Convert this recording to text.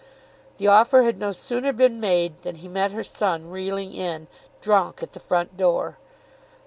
The offer had no sooner been made than he met her son reeling in, drunk, at the front door.